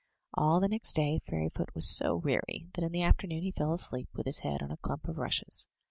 All the next day Fairyfoot was so weary that in the after noon he fell asleep, with his head on a clump of rushes.